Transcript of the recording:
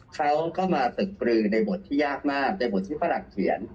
เขาก็มาตึกปลือในบทที่ยากมากในบทที่ฝรั่งเขียน